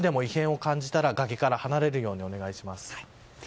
とにかく少しでも異変を感じたら崖から離れるようにお願いします。